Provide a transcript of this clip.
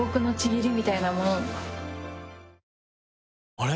あれ？